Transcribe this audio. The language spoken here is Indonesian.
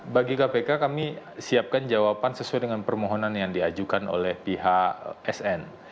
bagi kpk kami siapkan jawaban sesuai dengan permohonan yang diajukan oleh pihak sn